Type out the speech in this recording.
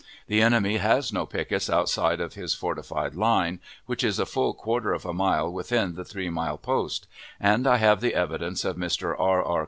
The enemy has no pickets outside of his fortified line (which is a full quarter of a mile within the three mile post), and I have the evidence of Mr. R. R.